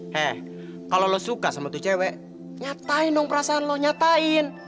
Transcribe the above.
he kalo lo suka sama tuh cewek nyatain dong perasaan lo nyatain